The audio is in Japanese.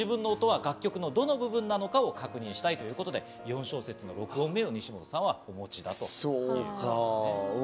自分の音は楽曲のどの部分なのか確認したいということで第４小節の６音目を西本さんはお持ちです。